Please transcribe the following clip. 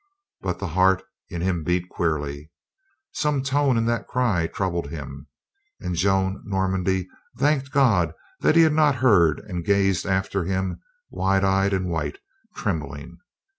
But the heart in him beat queerly. Some tone in that cry troubled him. And Joan Normandy thanked God that he had not heard and gazed after him wide eyed and white, trembling.